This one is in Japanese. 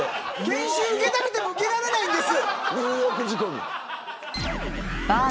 研修受けたくても受けられないんです。